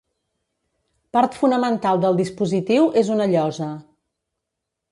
Part fonamental del dispositiu és una llosa.